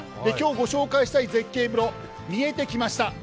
今日ご紹介したい絶景風呂、見えてきました